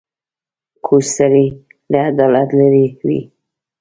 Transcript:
کوږ سړی له عدالت لیرې وي